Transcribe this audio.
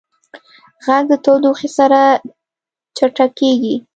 غږ د تودوخې سره چټکېږي.